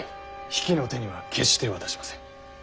比企の手には決して渡しません。